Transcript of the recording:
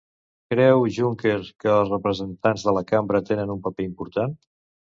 Creu Juncker que els representants de la cambra tenen un paper important?